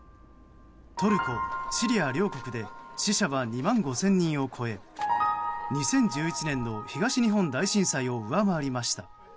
トルコ、シリア両国で死者は２万５０００人を超え２０１１年の東日本大震災を上回りました。